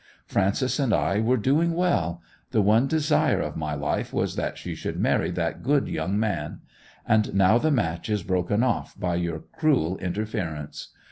Frances and I were doing well: the one desire of my life was that she should marry that good young man. And now the match is broken off by your cruel interference!